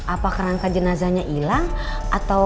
apa kerangka jenazahnya hilang atau